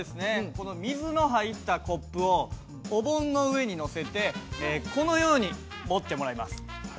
この水の入ったコップをお盆の上に載せてこのように持ってもらいます。